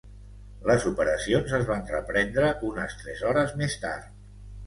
Les operacions es van reprendre unes tres hores més tard.